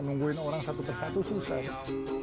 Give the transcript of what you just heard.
nungguin orang satu persatu susah